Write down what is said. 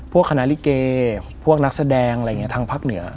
คณะลิเกพวกนักแสดงอะไรอย่างนี้ทางภาคเหนือ